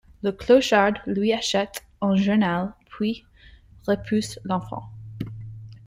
Le clochard lui achète un journal puis repousse l'enfant.